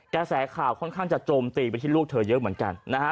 กระแสข่าวค่อนข้างจะโจมตีไปที่ลูกเธอเยอะเหมือนกันนะฮะ